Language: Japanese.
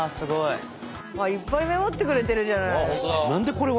いっぱいメモってくれてるじゃない。